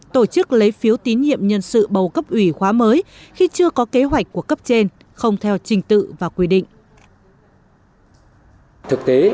tổ chức lấy phiếu tín nhiệm nhân sự bầu cấp ủy khóa mới khi chưa có kế hoạch của cấp trên không theo trình tự và quy định